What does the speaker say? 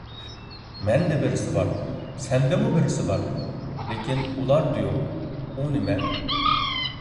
مەندە بىرسى بار، سەندىمۇ بىرسى بار، لېكىن ئۇلاردا يوق. ئۇ نېمە؟